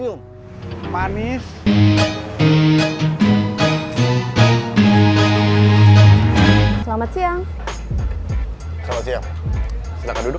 dia melewati senteru